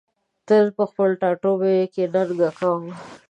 تل په خپل ټاټوبي ننګه کوم